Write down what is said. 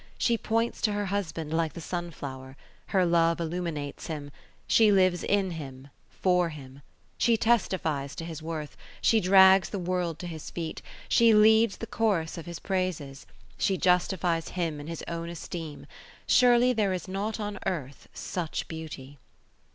She points to her husband like the sunflower; her love illuminates him; she lives in him, for him; she testifies to his worth; she drags the world to his feet; she leads the chorus of his praises; she justifies him in his own esteem. Surely there is not on earth such beauty!